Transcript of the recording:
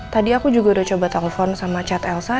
tadi aku juga udah coba telepon sama chat elsa